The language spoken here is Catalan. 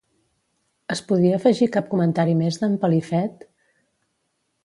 Es podia afegir cap comentari més d'en Pelifet?